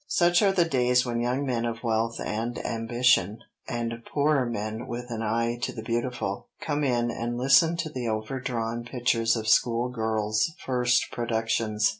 Such are the days when young men of wealth and ambition, and poorer men with an eye to the beautiful, come in and listen to the overdrawn pictures of school girls' first productions.